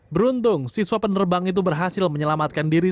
beruntung siswa penerbang itu berhasil menyelamatkan diri